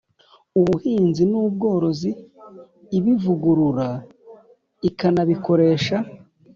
ubuhinzi n ubworozi ibivugurura ikanabikoresha